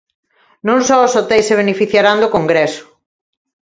Non só os hoteis se beneficiarán do congreso.